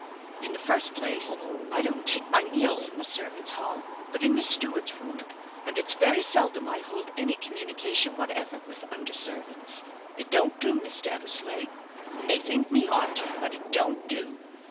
In the first place, I don't take my meals in the servants' hall, but in the steward's room; and it's very seldom I hold any communication whatever with under servants. It don't do, Mr. Eversleigh you may think me 'aughty; but it don't do.